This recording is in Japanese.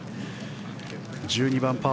１２番、パー